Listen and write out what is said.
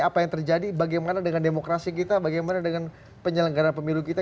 apa yang terjadi bagaimana dengan demokrasi kita bagaimana dengan penyelenggara pemilu kita